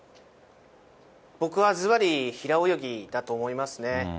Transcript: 僕はずばり、平泳ぎだと思いますね。